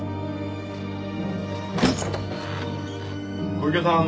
小池さん。